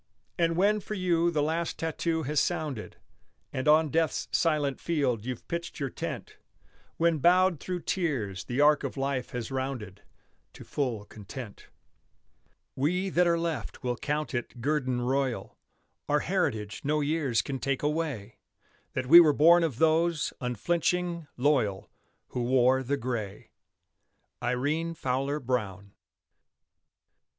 And when for you the last tattoo has sounded, And on death's silent field you've pitched your tent, When, bowed through tears, the arc of life has rounded To full content, We that are left will count it guerdon royal, Our heritage no years can take away, That we were born of those, unflinching, loyal, Who wore the gray. IRENE FOWLER BROWN.